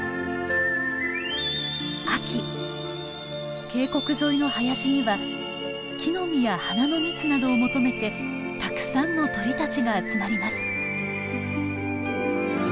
秋渓谷沿いの林には木の実や花の蜜などを求めてたくさんの鳥たちが集まります。